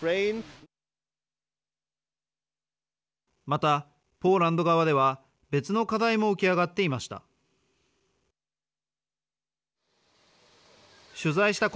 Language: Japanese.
また、ポーランド側では別の課題も浮き上がっていました。